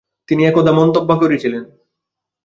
তিনি একদা মন্তব্য করেছিলেন।